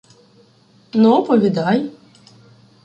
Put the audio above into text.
— Ну оповідай.